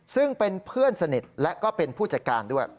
ซึ่งเป็นเพื่อนสนิทและก็เป็นผู้จัดการด้วย